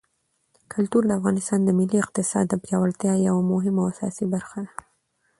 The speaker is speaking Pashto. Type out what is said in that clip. کلتور د افغانستان د ملي اقتصاد د پیاوړتیا یوه مهمه او اساسي برخه ده.